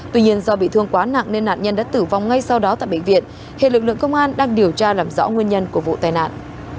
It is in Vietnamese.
tuy nhiên do bị thương quá nặng nên nạn nhân đã tử vong ngay sau đó tại bệnh viện hệ lực lượng công an đang điều tra làm rõ nguyên nhân của vụ tai nạn